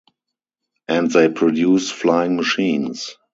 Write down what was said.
And they produced flying machines.